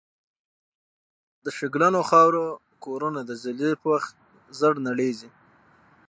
د شګلنو خاورو کورنه د زلزلې په وخت زر نړیږي